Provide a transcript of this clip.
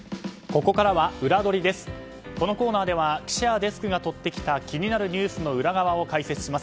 このコーナーでは記者やデスクがとってきた気になるニュースの裏側をお伝えいたします。